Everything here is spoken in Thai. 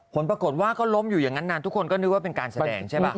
ผลปรากฏว่าก็ล้มอยู่อย่างนั้นนานทุกคนก็นึกว่าเป็นการแสดงใช่ป่ะ